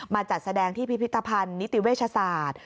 จัดแสดงที่พิพิธภัณฑ์นิติเวชศาสตร์